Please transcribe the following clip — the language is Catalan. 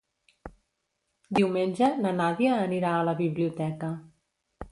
Diumenge na Nàdia anirà a la biblioteca.